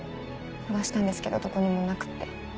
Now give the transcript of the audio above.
探したんですけどどこにもなくって。